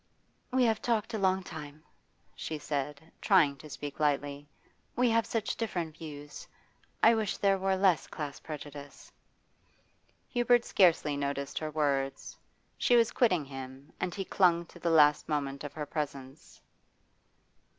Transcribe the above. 'We have talked a long time,' she said, trying to speak lightly. 'We have such different views. I wish there were less class prejudice.' Hubert scarcely noticed her words. She was quitting him, and he clung to the last moment of her presence.